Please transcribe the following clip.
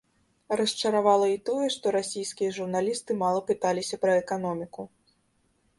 Расчаравала і тое, што расійскія журналісты мала пыталіся пра эканоміку.